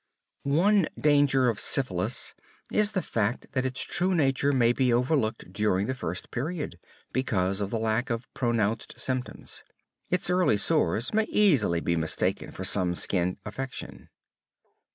One danger of syphilis is the fact that its true nature may be overlooked during the first period, because of the lack of pronounced symptoms. Its early sores may easily be mistaken for some skin affection.